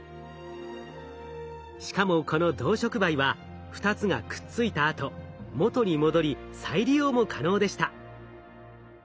しかもこの銅触媒は２つがくっついたあと元に戻り再利用も可能でした。